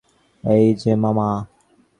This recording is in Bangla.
এই যে মামা।